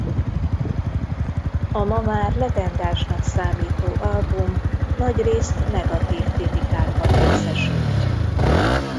A ma már legendásnak számító album nagyrészt negatív kritikákban részesült.